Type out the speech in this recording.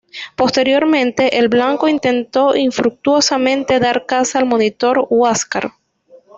Posteriormente, el "Blanco", intentó infructuosamente dar caza al monitor "Huáscar".